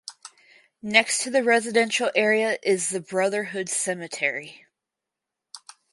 Next to the residential area is the Brotherhood Cemetery.